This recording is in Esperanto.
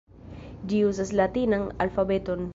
Ĝi uzas latinan alfabeton.